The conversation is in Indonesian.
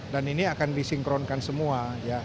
dan ini akan disinkronkan semua